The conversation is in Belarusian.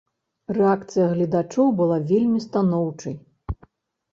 Рэакцыя гледачоў была вельмі станоўчай.